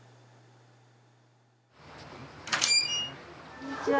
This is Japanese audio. ・こんにちは。